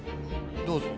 どうぞ！